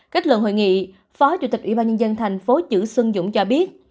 kết luận hội nghị phó chủ tịch ủy ban nhân dân thành phố chữ xuân dũng cho biết